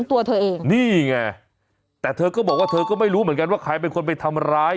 ตัวเธอเองนี่ไงแต่เธอก็บอกว่าเธอก็ไม่รู้เหมือนกันว่าใครเป็นคนไปทำร้าย